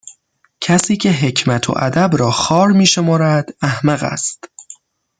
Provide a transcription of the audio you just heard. کسی که حکمت و ادب را خوار میشمارد احمق است